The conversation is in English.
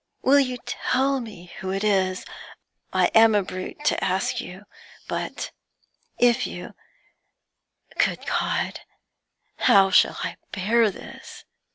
Will you tell me who it is? I am a brute to ask you, but if you Good God! How shall I bear this?'